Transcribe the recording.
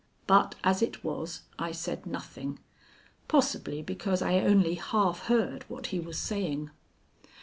But as it was, I said nothing, possibly because I only half heard what he was saying.